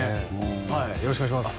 よろしくお願いします